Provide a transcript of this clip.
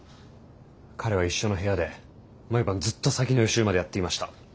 彼は一緒の部屋で毎晩ずっと先の予習までやっていました。